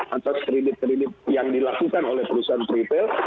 atau seribu seribu yang dilakukan oleh perusahaan retail